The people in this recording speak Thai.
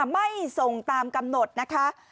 ไม่ส่งตามกำหนดนะคะ